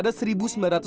nanti kemau sembelah